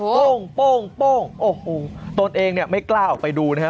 โป้งโป้งโป้งโอ้โหตนเองไม่กล้าออกไปดูนะครับ